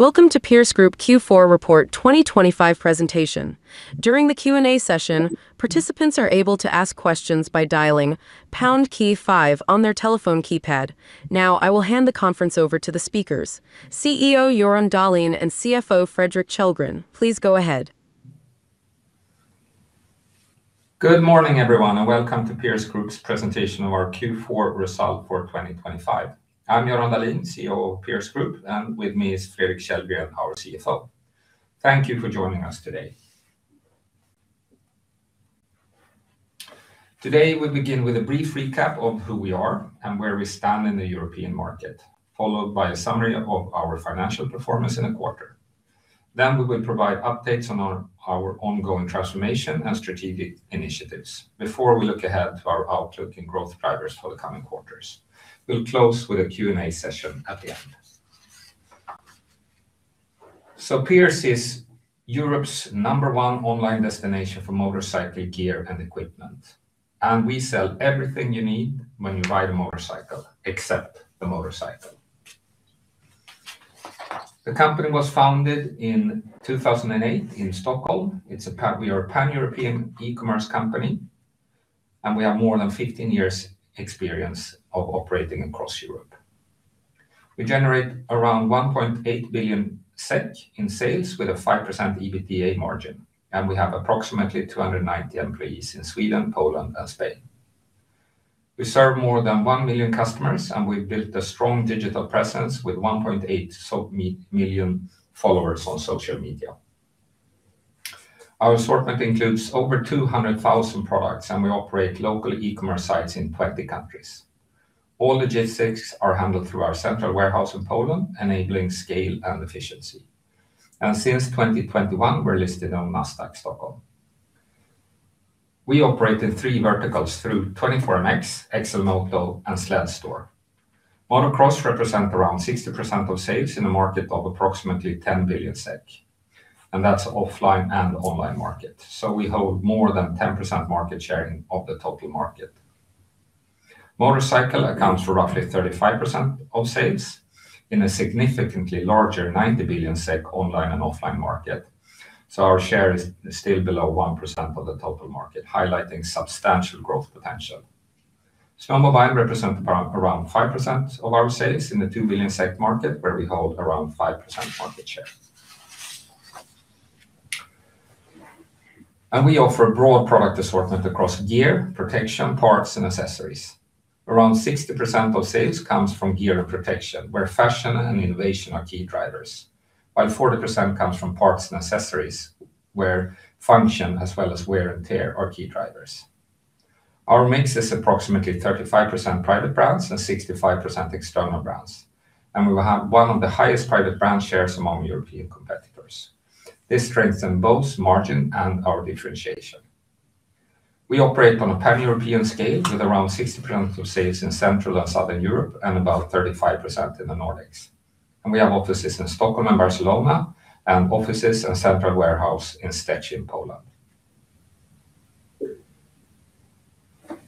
Welcome to Pierce Group Q4 Report 2025 Presentation. During the Q&A session, participants are able to ask questions by dialing pound key five on their telephone keypad. Now, I will hand the conference over to the speakers, CEO Göran Dahlin and CFO Fredrik Kjellgren. Please go ahead. Good morning, everyone, and welcome to Pierce Group's Presentation of our Q4 Result for 2025. I'm Göran Dahlin, CEO of Pierce Group, and with me is Fredrik Kjellgren, our CFO. Thank you for joining us today. Today, we begin with a brief recap of who we are and where we stand in the European market, followed by a summary of our financial performance in a quarter. We will provide updates on our ongoing transformation and strategic initiatives before we look ahead to our outlook and growth drivers for the coming quarters. We'll close with a Q&A session at the end. Pierce is Europe's number one online destination for motorcycle gear and equipment, and we sell everything you need when you ride a motorcycle, except the motorcycle. The company was founded in 2008 in Stockholm. We are a pan-European e-commerce company, and we have more than 15 years experience of operating across Europe. We generate around 1.8 billion SEK in sales with a 5% EBITDA margin, and we have approximately 290 employees in Sweden, Poland, and Spain. We serve more than 1 million customers, and we've built a strong digital presence with 1.8 million followers on social media. Our assortment includes over 200,000 products, and we operate local e-commerce sites in 20 countries. All logistics are handled through our central warehouse in Poland, enabling scale and efficiency. And since 2021, we're listed on Nasdaq Stockholm. We operate in three verticals through 24MX, XLMOTO, and Sledstore. Motocross represent around 60% of sales in a market of approximately 10 billion SEK, and that's offline and online market. So we hold more than 10% market share of the total market. Motorcycle accounts for roughly 35% of sales in a significantly larger 90 billion SEK online and offline market. So our share is still below 1% of the total market, highlighting substantial growth potential. Snowmobile represent around 5% of our sales in the 2 billion SEK market, where we hold around 5% market share. And we offer a broad product assortment across gear, protection, parts, and accessories. Around 60% of sales comes from gear and protection, where fashion and innovation are key drivers, while 40% comes from parts and accessories, where function as well as wear and tear are key drivers. Our mix is approximately 35% private brands and 65% external brands, and we will have one of the highest private brand shares among European competitors. This strengthens both margin and our differentiation. We operate on a pan-European scale, with around 60% of sales in Central and Southern Europe and about 35% in the Nordics. And we have offices in Stockholm and Barcelona, and offices and central warehouse in Szczecin, Poland.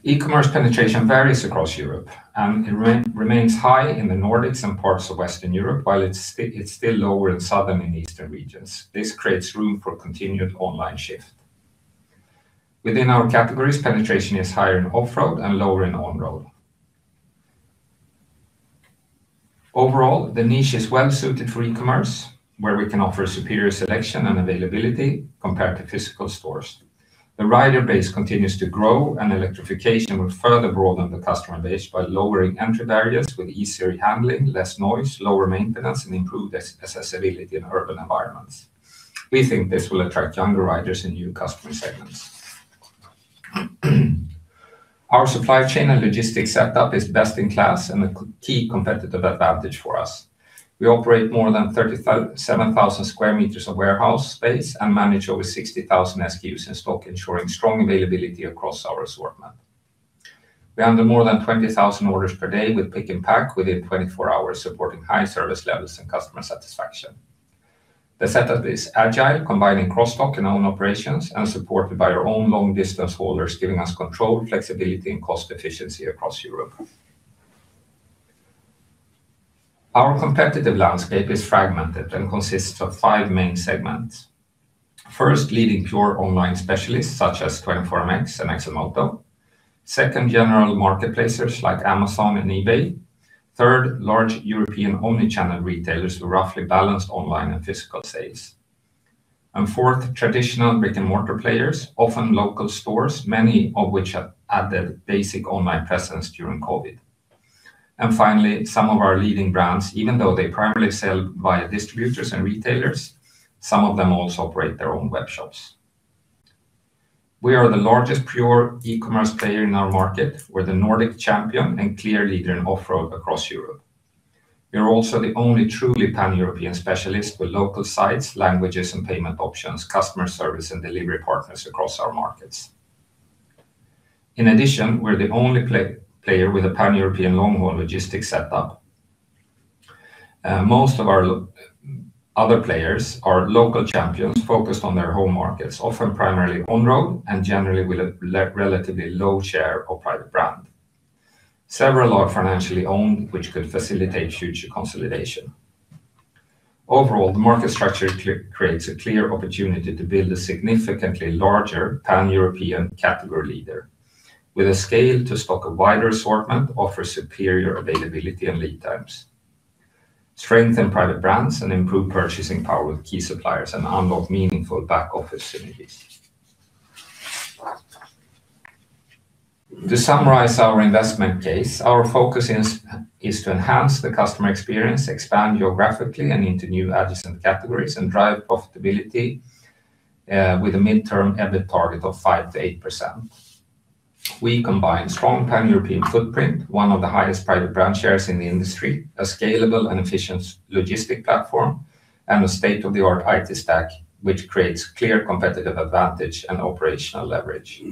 E-commerce penetration varies across Europe, and it remains high in the Nordics and parts of Western Europe, while it's still lower in Southern and Eastern regions. This creates room for continued online shift. Within our categories, penetration is higher in off-road and lower in on-road. Overall, the niche is well suited for e-commerce, where we can offer superior selection and availability compared to physical stores. The rider base continues to grow, and electrification will further broaden the customer base by lowering entry barriers with easier handling, less noise, lower maintenance, and improved accessibility in urban environments. We think this will attract younger riders and new customer segments. Our supply chain and logistics setup is best in class and a key competitive advantage for us. We operate more than 37,000 sqm of warehouse space and manage over 60,000 SKUs in stock, ensuring strong availability across our assortment. We handle more than 20,000 orders per day with pick and pack within 24 hours, supporting high service levels and customer satisfaction. The setup is agile, combining cross-dock and own operations, and supported by our own long-distance haulers, giving us control, flexibility, and cost efficiency across Europe. Our competitive landscape is fragmented and consists of five main segments. First, leading pure online specialists such as 24MX and XLMOTO. Second, general marketplaces like Amazon and eBay. Third, large European omni-channel retailers with roughly balanced online and physical sales. And fourth, traditional brick-and-mortar players, often local stores, many of which have added basic online presence during COVID. And finally, some of our leading brands, even though they primarily sell via distributors and retailers, some of them also operate their own web shops. We are the largest pure e-commerce player in our market. We're the Nordic champion and clear leader in off-road across Europe. We are also the only truly pan-European specialist with local sites, languages, and payment options, customer service, and delivery partners across our markets. In addition, we're the only player with a pan-European long-haul logistics setup. Most of our other players are local champions focused on their home markets, often primarily on-road and generally with a relatively low share of private brands. Several are financially owned, which could facilitate future consolidation. Overall, the market structure creates a clear opportunity to build a significantly larger pan-European category leader, with a scale to stock a wider assortment, offer superior availability and lead times, strengthen private brands, and improve purchasing power with key suppliers, and unlock meaningful back-office synergies. To summarize our investment case, our focus is to enhance the customer experience, expand geographically and into new adjacent categories, and drive profitability, with a midterm EBIT target of 5%-8%. We combine strong pan-European footprint, one of the highest private brand shares in the industry, a scalable and efficient logistics platform, and a state-of-the-art IT stack, which creates clear competitive advantage and operational leverage.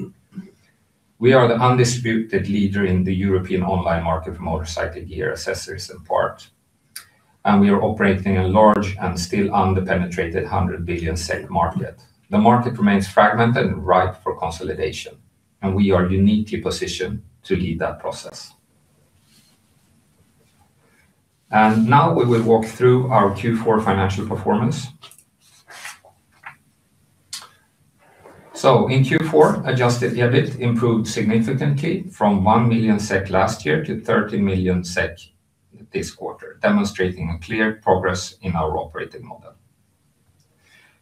We are the undisputed leader in the European online market for motorcycling gear, accessories, and parts, and we are operating a large and still under-penetrated 100 billion market. The market remains fragmented and ripe for consolidation, and we are uniquely positioned to lead that process. And now we will walk through our Q4 financial performance. So in Q4, adjusted EBIT improved significantly from 1 million SEK last year to 30 million SEK this quarter, demonstrating a clear progress in our operating model.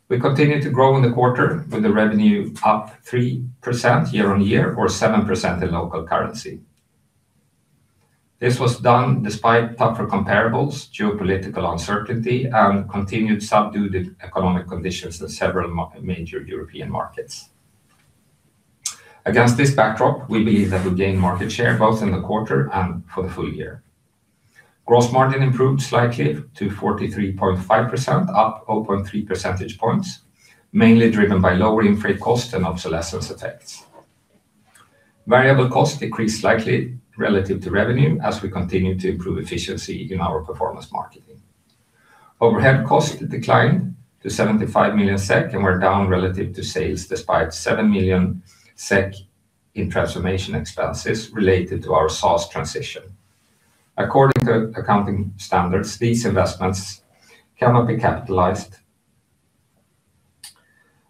We continued to grow in the quarter, with the revenue up 3% year-on-year or 7% in local currency. This was done despite tougher comparables, geopolitical uncertainty, and continued subdued economic conditions in several major European markets. Against this backdrop, we believe that we gained market share both in the quarter and for the full year. Gross margin improved slightly to 43.5%, up 0.3 percentage points, mainly driven by lower in freight cost and obsolescence effects. Variable costs decreased slightly relative to revenue as we continued to improve efficiency in our performance marketing. Overhead costs declined to 75 million SEK and were down relative to sales, despite 7 million SEK in transformation expenses related to our SaaS transition. According to accounting standards, these investments cannot be capitalized,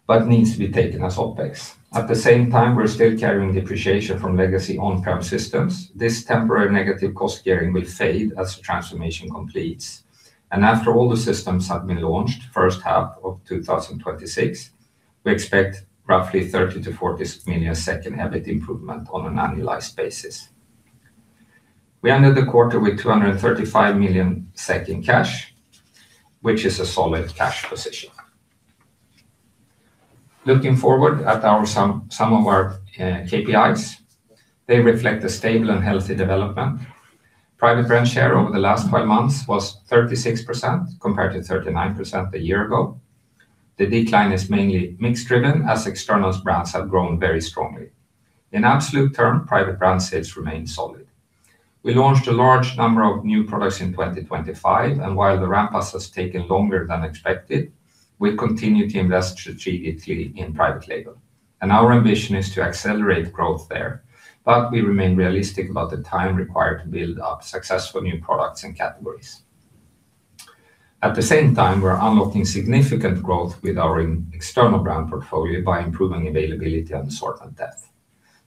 but needs to be taken as OpEx. At the same time, we're still carrying depreciation from legacy on-prem systems. This temporary negative cost carrying will fade as transformation completes, and after all the systems have been launched, first half of 2026, we expect roughly 30 million-40 million in EBIT improvement on an annualized basis. We ended the quarter with 235 million SEK in cash, which is a solid cash position. Looking forward at some of our KPIs, they reflect a stable and healthy development. Private brand share over the last 12 months was 36%, compared to 39% a year ago. The decline is mainly mix driven, as external brands have grown very strongly. In absolute terms, private brand sales remain solid. We launched a large number of new products in 2025, and while the ramp-up has taken longer than expected, we continue to invest strategically in private label, and our ambition is to accelerate growth there. But we remain realistic about the time required to build up successful new products and categories. At the same time, we're unlocking significant growth with our external brand portfolio by improving availability and assortment depth.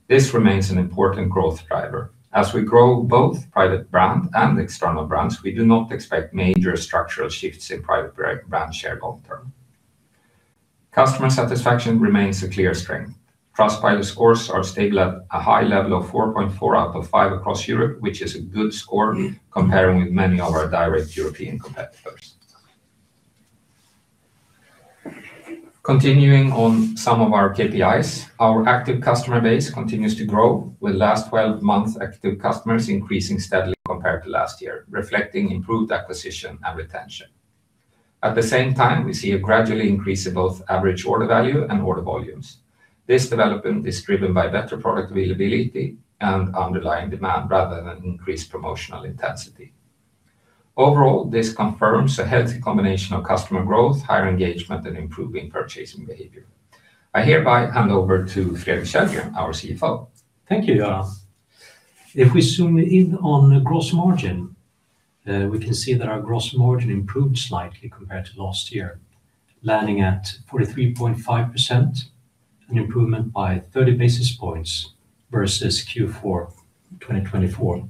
This remains an important growth driver. As we grow both private brand and external brands, we do not expect major structural shifts in private brand share long-term. Customer satisfaction remains a clear strength. Trustpilot scores are stable at a high level of 4.4 out of 5 across Europe, which is a good score comparing with many of our direct European competitors. Continuing on some of our KPIs, our active customer base continues to grow, with last 12 months active customers increasing steadily compared to last year, reflecting improved acquisition and retention. At the same time, we see a gradually increase in both average order value and order volumes. This development is driven by better product availability and underlying demand rather than increased promotional intensity. Overall, this confirms a healthy combination of customer growth, higher engagement, and improving purchasing behavior. I hereby hand over to Fredrik Kjellgren, our CFO. Thank you, Göran. If we zoom in on gross margin, we can see that our gross margin improved slightly compared to last year, landing at 43.5%, an improvement by 30 basis points versus Q4 2024.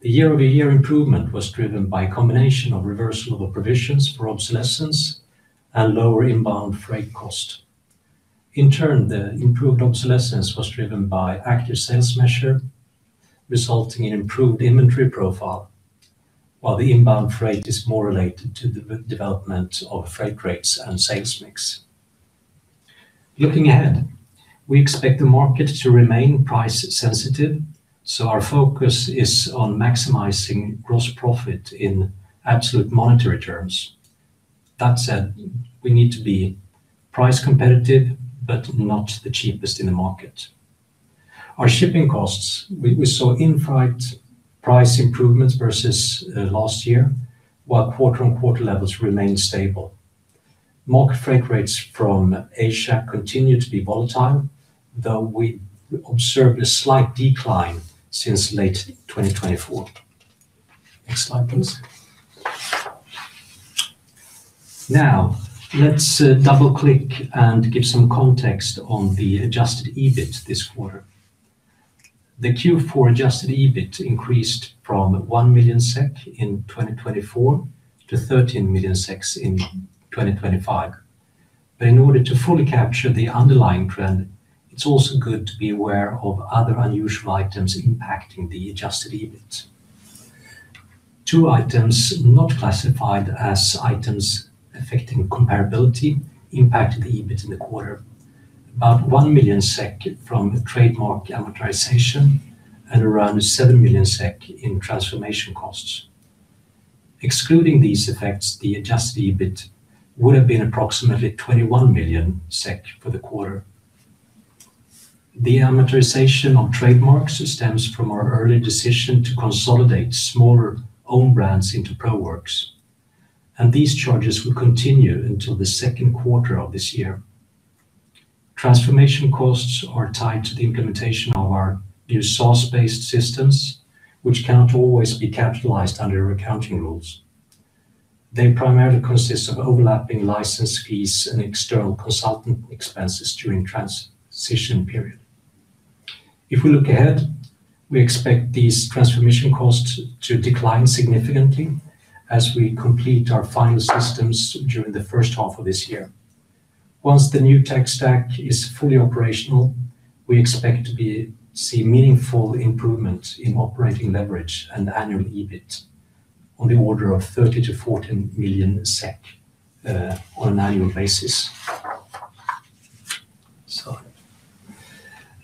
The year-over-year improvement was driven by a combination of reversal of provisions for obsolescence and lower inbound freight cost. In turn, the improved obsolescence was driven by active sales measure, resulting in improved inventory profile, while the inbound freight is more related to the development of freight rates and sales mix. Looking ahead, we expect the market to remain price sensitive, so our focus is on maximizing gross profit in absolute monetary terms. That said, we need to be price competitive, but not the cheapest in the market. Our shipping costs, we saw freight price improvements versus last year, while quarter-on-quarter levels remained stable. Market freight rates from Asia continue to be volatile, though we observed a slight decline since late 2024. Next slide, please. Now, let's, double-click and give some context on the adjusted EBIT this quarter. The Q4 adjusted EBIT increased from 1 million SEK in 2024 to 13 million SEK in 2025. But in order to fully capture the underlying trend, it's also good to be aware of other unusual items impacting the adjusted EBIT. Two items not classified as items affecting comparability impacted the EBIT in the quarter. About 1 million SEK from trademark amortization and around 7 million SEK in transformation costs. Excluding these effects, the adjusted EBIT would have been approximately 21 million SEK for the quarter. The amortization of trademark systems from our early decision to consolidate smaller own brands into Proworks, and these charges will continue until the second quarter of this year. Transformation costs are tied to the implementation of our new SaaS-based systems, which cannot always be capitalized under accounting rules. They primarily consist of overlapping license fees and external consultant expenses during transition period. If we look ahead, we expect these transformation costs to decline significantly as we complete our final systems during the first half of this year. Once the new tech stack is fully operational, we expect to see meaningful improvement in operating leverage and annual EBIT on the order of 30 million-40 million SEK on an annual basis.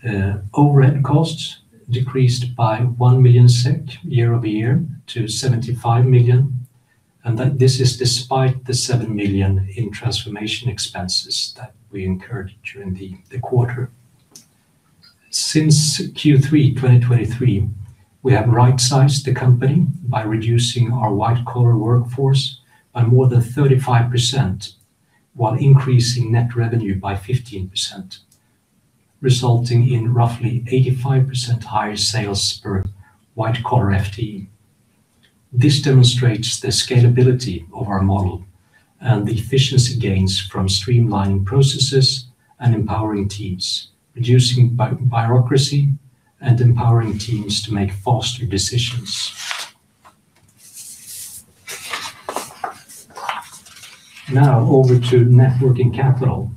So, overhead costs decreased by 1 million SEK year-over-year to 75 million, and that this is despite the 7 million in transformation expenses that we incurred during the quarter. Since Q3 2023, we have right-sized the company by reducing our white-collar workforce by more than 35%, while increasing net revenue by 15%, resulting in roughly 85% higher sales per white-collar FTE. This demonstrates the scalability of our model and the efficiency gains from streamlining processes and empowering teams, reducing bureaucracy, and empowering teams to make faster decisions. Now, over to net working capital.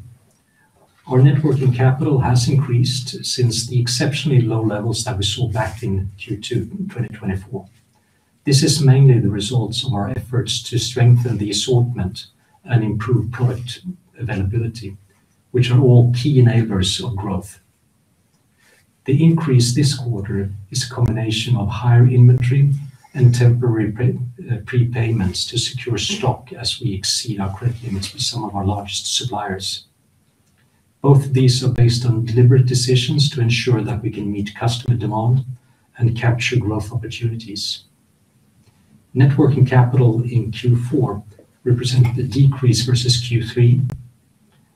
Our net working capital has increased since the exceptionally low levels that we saw back in Q2 2024. This is mainly the results of our efforts to strengthen the assortment and improve product availability, which are all key enablers of growth. The increase this quarter is a combination of higher inventory and temporary prepayments to secure stock as we exceed our credit limits with some of our largest suppliers. Both of these are based on deliberate decisions to ensure that we can meet customer demand and capture growth opportunities. Net working capital in Q4 represented a decrease versus Q3,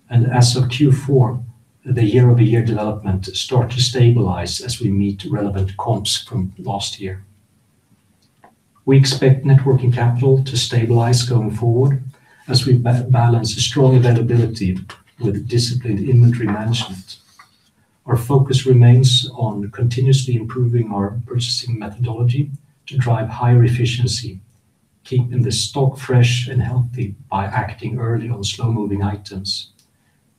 and as of Q4, the year-over-year development start to stabilize as we meet relevant comps from last year. We expect net working capital to stabilize going forward as we balance a strong availability with disciplined inventory management. Our focus remains on continuously improving our purchasing methodology to drive higher efficiency, keeping the stock fresh and healthy by acting early on slow-moving items,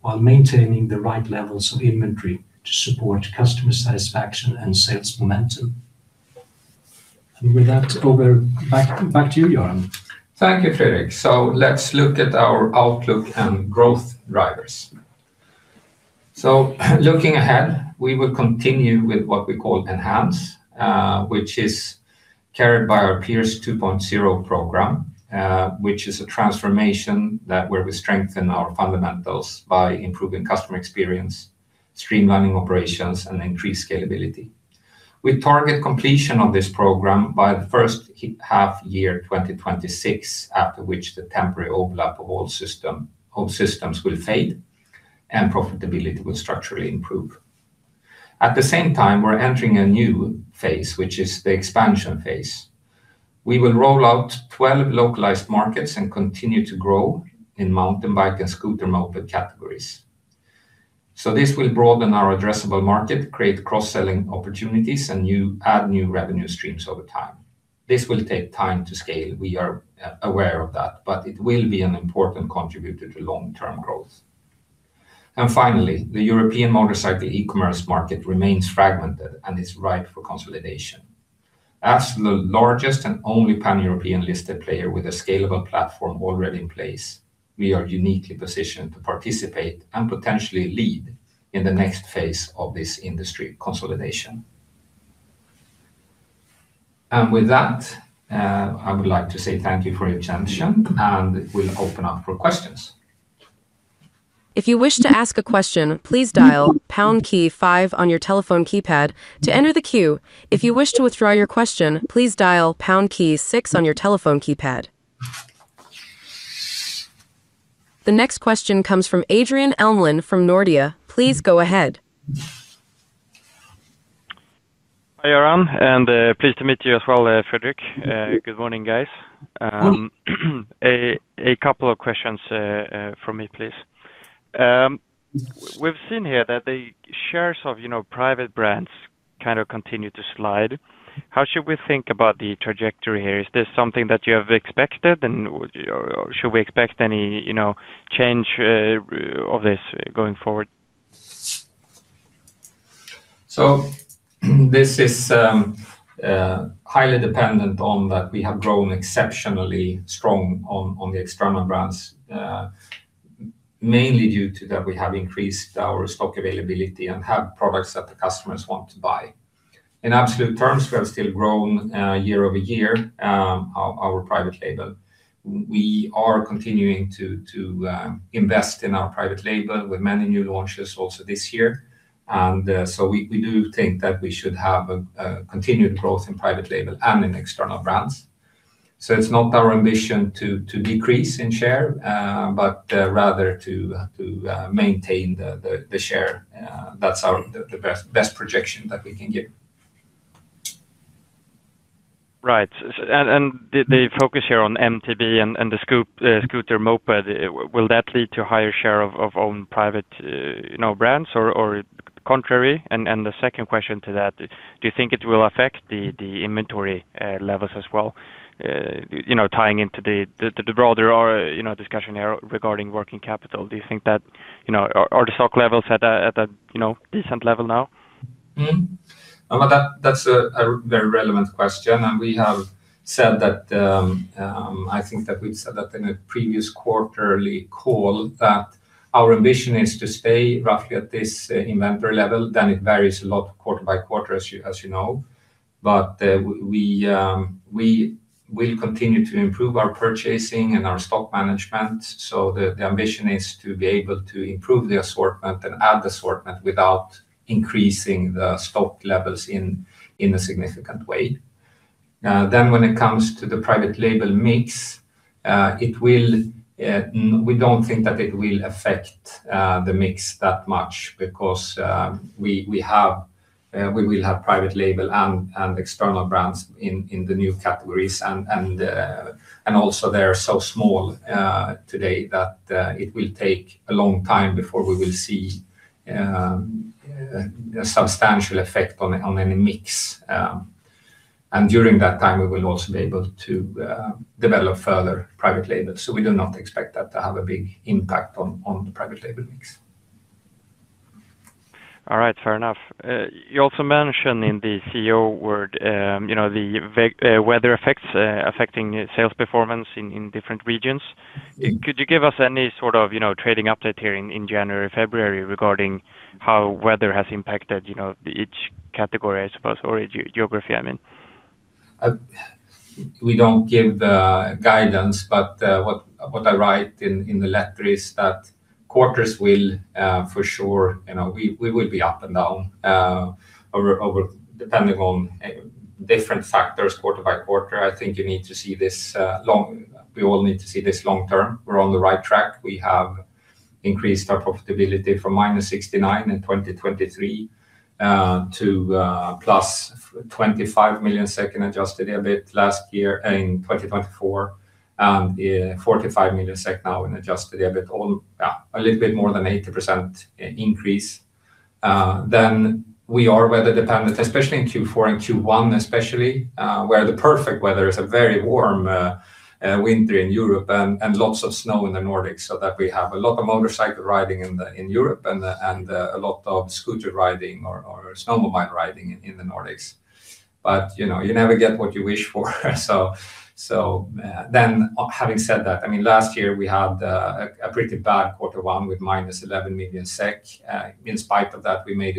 while maintaining the right levels of inventory to support customer satisfaction and sales momentum. And with that, over to you, Göran. Thank you, Fredrik. So let's look at our outlook and growth drivers. Looking ahead, we will continue with what we call Enhance, which is carried by our Pierce 2.0 program, which is a transformation that where we strengthen our fundamentals by improving customer experience, streamlining operations, and increased scalability. We target completion of this program by the first half year, 2026, after which the temporary overlap of all system, all systems will fade and profitability will structurally improve. At the same time, we're entering a new phase, which is the expansion phase. We will roll out 12 localized markets and continue to grow in mountain bike and scooter market categories. This will broaden our addressable market, create cross-selling opportunities, and add new revenue streams over time. This will take time to scale. We are aware of that, but it will be an important contributor to long-term growth. And finally, the European motorcycle e-commerce market remains fragmented and is ripe for consolidation. As the largest and only pan-European listed player with a scalable platform already in place, we are uniquely positioned to participate and potentially lead in the next phase of this industry consolidation. And with that, I would like to say thank you for your attention, and we'll open up for questions. If you wish to ask a question, please dial pound key five on your telephone keypad to enter the queue. If you wish to withdraw your question, please dial pound key six on your telephone keypad. The next question comes from Adrian Elmlund from Nordea. Please go ahead. Hi, Göran, and pleased to meet you as well, Fredrik. Good morning, guys. A couple of questions from me, please. We've seen here that the shares of, you know, private brands kind of continue to slide. How should we think about the trajectory here? Is this something that you have expected, and would you—or should we expect any, you know, change of this going forward? This is highly dependent on that we have grown exceptionally strong on the external brands, mainly due to that we have increased our stock availability and have products that the customers want to buy. In absolute terms, we have still grown year-over-year, our private label. We are continuing to invest in our private label with many new launches also this year. We do think that we should have continued growth in private label and in external brands. It's not our ambition to decrease in share, but rather to maintain the share. That's our best projection that we can give. Right. And the focus here on MTB and the scooter moped, will that lead to higher share of own private, you know, brands or contrary? And the second question to that, do you think it will affect the inventory levels as well? You know, tying into the broader, you know, discussion here regarding working capital, do you think that are the stock levels at a decent level now? That's a very relevant question, and we have said that, I think that we've said that in a previous quarterly call, that our ambition is to stay roughly at this inventory level. It varies a lot quarter by quarter, as you know. We will continue to improve our purchasing and our stock management. The ambition is to be able to improve the assortment and add the assortment without increasing the stock levels in a significant way. When it comes to the private label mix, we don't think that it will affect the mix that much because we will have private label and external brands in the new categories. They are so small today that it will take a long time before we will see a substantial effect on any mix. During that time, we will also be able to develop further private labels. We do not expect that to have a big impact on the private label mix. All right. Fair enough. You also mentioned in the CEO word, you know, the weather effects affecting sales performance in different regions. Could you give us any sort of, you know, trading update here in January, February, regarding how weather has impacted, you know, each category, I suppose, or geography, I mean? We don't give guidance, but what I write in the letter is that quarters will, for sure, you know, we will be up and down, over depending on different factors, quarter-by-quarter. I think you need to see this long term. We all need to see this long term. We're on the right track. We have increased our profitability from -69 million in 2023 to +25 million in adjusted EBIT last year, in 2024, and 45 million SEK now in adjusted EBIT, all a little bit more than 80% increase. Then we are weather dependent, especially in Q4 and Q1 especially, where the perfect weather is a very warm winter in Europe and lots of snow in the Nordics, so that we have a lot of motorcycle riding in Europe and a lot of scooter riding or snowmobile riding in the Nordics. But, you know, you never get what you wish for. So, having said that, I mean, last year we had a pretty bad quarter one with -11 million SEK. In spite of that, we made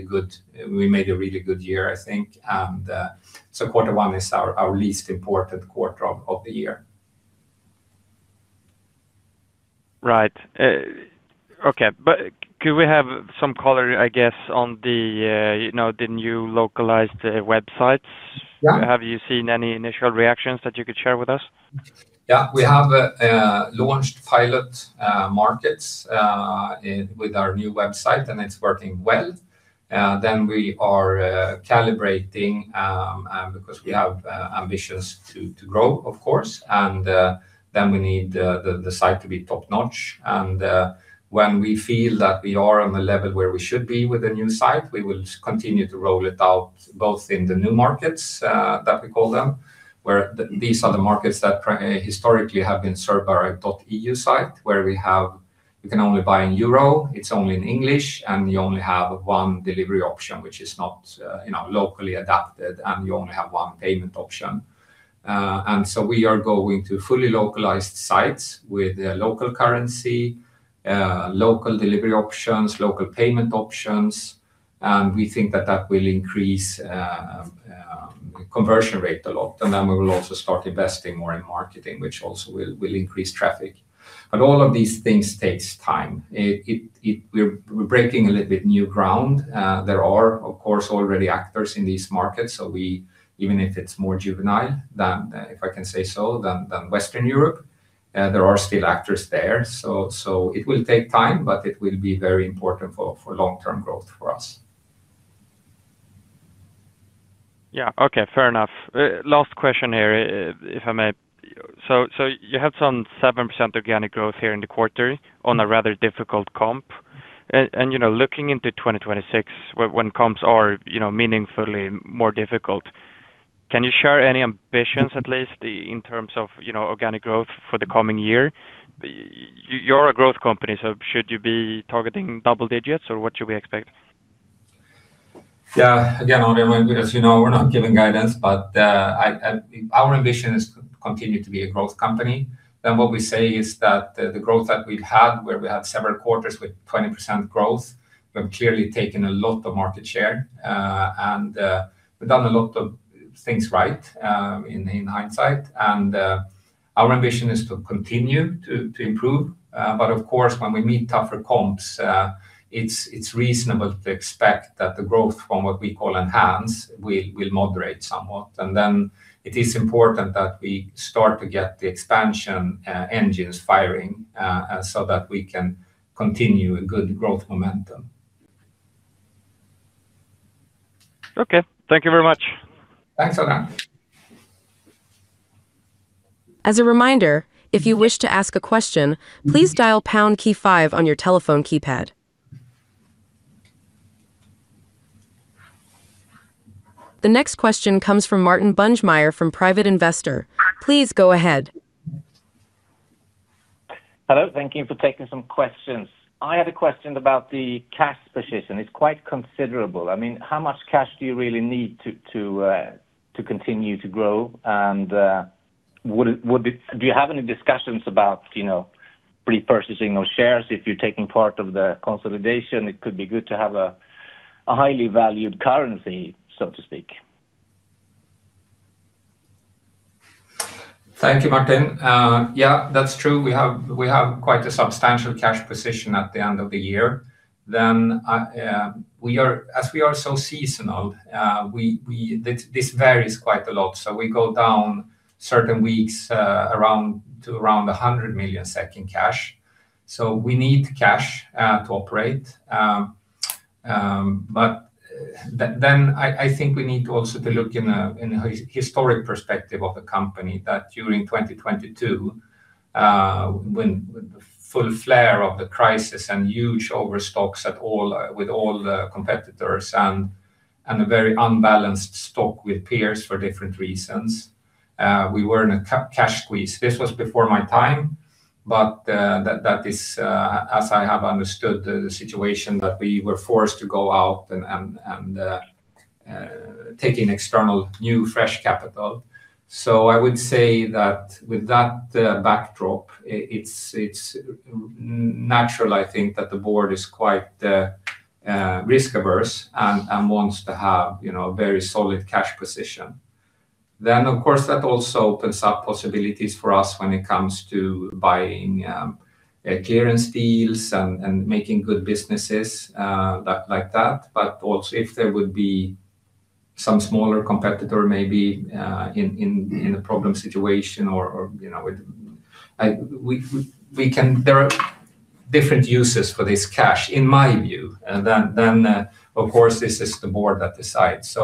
a really good year, I think. So quarter one is our least important quarter of the year. Right. Okay. But could we have some color, I guess, on the, you know, the new localized websites? Have you seen any initial reactions that you could share with us? Yeah. We have launched pilot markets with our new website, and it's working well. Then we are calibrating because we have ambitions to grow, of course, and then we need the site to be top-notch. And when we feel that we are on the level where we should be with the new site, we will continue to roll it out, both in the new markets that we call them, where these are the markets that historically have been served by our pierce.eu site, where we have. You can only buy in Euro, it's only in English, and you only have one delivery option, which is not, you know, locally adapted, and you only have one payment option. And so we are going to fully localized sites with a local currency, local delivery options, local payment options, and we think that that will increase conversion rate a lot, and then we will also start investing more in marketing, which also will increase traffic. But all of these things takes time. It we're breaking a little bit new ground. There are, of course, already actors in these markets, so we even if it's more juvenile than, if I can say so, than Western Europe, there are still actors there. So it will take time, but it will be very important for long-term growth for us. Yeah. Okay, fair enough. Last question here, if I may. So you had some 7% organic growth here in the quarter on a rather difficult comp. And you know, looking into 2026, when comps are you know, meaningfully more difficult, can you share any ambitions, at least, in terms of you know, organic growth for the coming year? You're a growth company, so should you be targeting double digits, or what should we expect? Yeah. Again, Adrian, as you know, we're not giving guidance, but, Our ambition is to continue to be a growth company. Then what we say is that the growth that we've had, where we had several quarters with 20% growth, we've clearly taken a lot of market share. And we've done a lot of things right, in hindsight. And our ambition is to continue to improve. But of course, when we meet tougher comps, it's reasonable to expect that the growth from what we call enhance, will moderate somewhat. And then it is important that we start to get the expansion engines firing, so that we can continue a good growth momentum. Okay. Thank you very much. Thanks, Adrian. As a reminder, if you wish to ask a question, please dial pound key five on your telephone keypad. The next question comes from Martin Bunge-Meyer from Private Investor. Please go ahead. Hello, thank you for taking some questions. I had a question about the cash position. It's quite considerable. I mean, how much cash do you really need to continue to grow? And, would it-- do you have any discussions about, you know, pre-purchasing of shares? If you're taking part of the consolidation, it could be good to have a, a highly valued currency, so to speak. Thank you, Martin. Yeah, that's true. We have quite a substantial cash position at the end of the year. Then, as we are so seasonal, this varies quite a lot, so we go down certain weeks to around 100 million SEK in cash. So we need cash to operate. But then I think we need also to look in a historic perspective of the company, that during 2022, when the full flare of the crisis and huge overstocks at all, with all the competitors and a very unbalanced stock with Pierce for different reasons, we were in a cash squeeze. This was before my time, but that is, as I have understood the situation, that we were forced to go out and take in external, new, fresh capital. So I would say that with that backdrop, it's natural, I think, that the board is quite risk-averse and wants to have, you know, a very solid cash position. Then, of course, that also opens up possibilities for us when it comes to buying clearance deals and making good businesses, like that. But also, if there would be some smaller competitor, maybe in a problem situation or, you know, with-- there are different uses for this cash, in my view. And then, of course, this is the board that decides.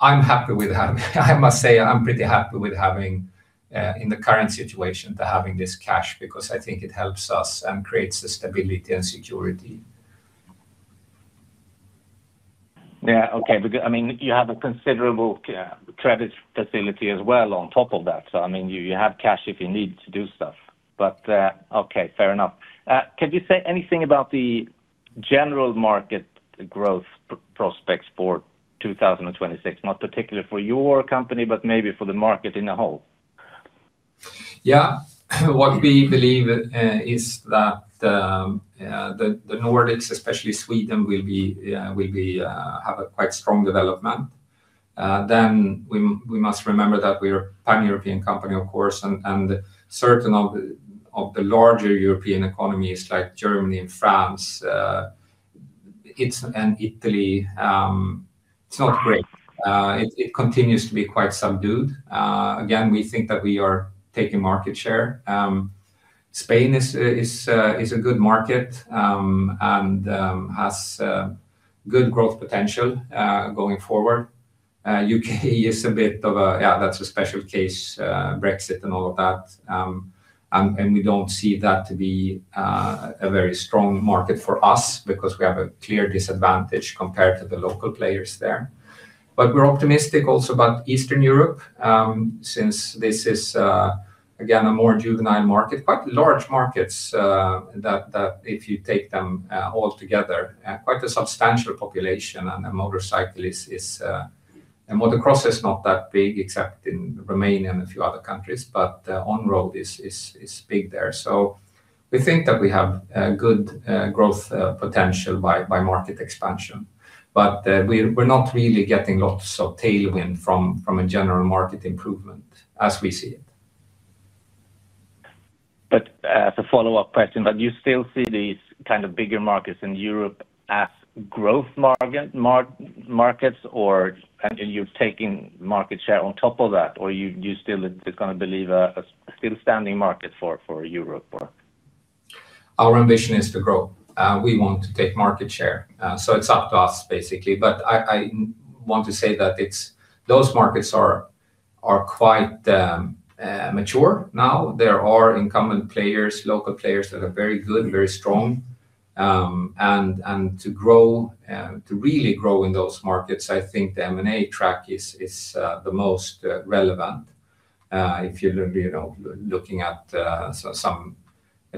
I'm happy with having, I must say, I'm pretty happy with having, in the current situation, to having this cash, because I think it helps us and creates a stability and security. Yeah, okay. Because, I mean, you have a considerable credit facility as well on top of that. So I mean, you, you have cash if you need to do stuff. But, okay, fair enough. Can you say anything about the general market growth prospects for 2026? Not particularly for your company, but maybe for the market in the whole. Yeah. What we believe is that the Nordics, especially Sweden, will have a quite strong development. We must remember that we're a pan-European company, of course, and certain of the larger European economies, like Germany and France, and Italy, it's not great. It continues to be quite subdued. Again, we think that we are taking market share. Spain is a good market and has good growth potential going forward. U.K. is a bit of a-- Yeah, that's a special case, Brexit and all of that. We don't see that to be a very strong market for us because we have a clear disadvantage compared to the local players there. But we're optimistic also about Eastern Europe, since this is, again, a more juvenile market. Quite large markets, that if you take them all together, quite a substantial population, and a motorcycle is a motocross is not that big, except in Romania and a few other countries, but on-road is big there. We think that we have good growth potential by market expansion. But we're not really getting lots of tailwind from a general market improvement as we see it. As a follow-up question, but you still see these kind of bigger markets in Europe as growth markets, or you're taking market share on top of that, or you still is gonna believe a still standing market for Europe or? Our ambition is to grow. We want to take market share. So it's up to us, basically. But I want to say that it's-- Those markets are quite mature now. There are incumbent players, local players, that are very good, very strong. And to grow, to really grow in those markets, I think the M&A track is the most relevant. If you're, you know, looking at so some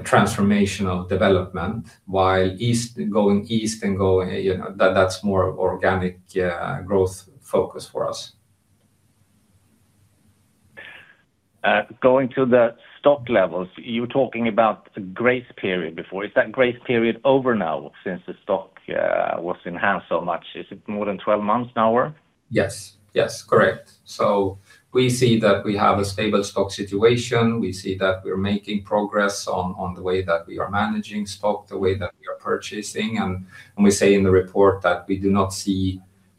transformational development, while east, going east and going, you know, that's more organic growth focus for us. Going to the stock levels, you were talking about a grace period before. Is that grace period over now, since the stock was enhanced so much? Is it more than 12 months now? Yes. Yes, correct. We see that we have a stable stock situation. We see that we're making progress on the way that we are managing stock, the way that we are purchasing. We say in the report that we do not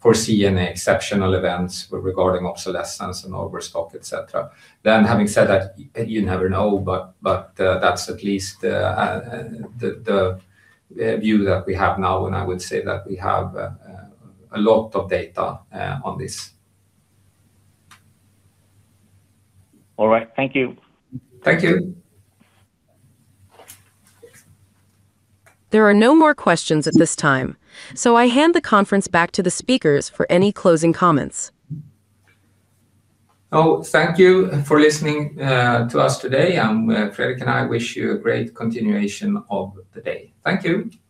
foresee any exceptional events regarding obsolescence and overstock, et cetera. Having said that, you never know, but that's at least the view that we have now, and I would say that we have a lot of data on this. All right. Thank you. Thank you. There are no more questions at this time, so I hand the conference back to the speakers for any closing comments. Oh, thank you for listening to us today. Fredrik and I wish you a great continuation of the day. Thank you. Thank you.